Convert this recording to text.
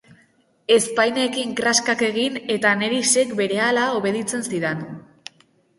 Ezpainekin kraskak egin eta Anerisek berehala obeditzen zidan.